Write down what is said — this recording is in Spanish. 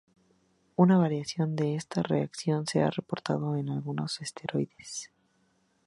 Una variación de esta reacción se ha reportado en algunos esteroides.